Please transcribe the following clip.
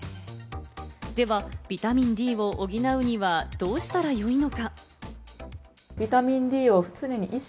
ではビタミンＤを補うには、どうしたらよいのか？